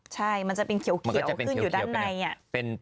ใช่มันจะเป็นเขียวขึ้นอยู่ด้านใน